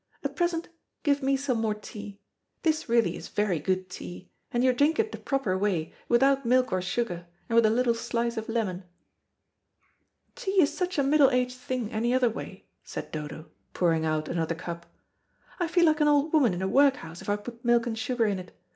At present give me some more tea. This really is very good tea, and you drink it the proper way, without milk or sugar, and with a little slice of lemon." "Tea is such a middle aged thing any other way," said Dodo, pouring out another cup. "I feel like an old woman in a workhouse if I put milk and sugar in it.